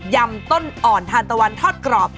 ยำต้นอ่อนทานตะวันทอดกรอบ